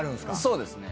そうですね。